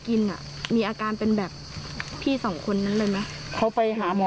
กินอ่ะมีอาการเป็นแบบพี่สองคนนั้นเลยไหมเขาไปหาหมอ